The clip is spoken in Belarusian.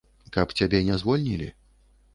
Каб цябе не звольнілі?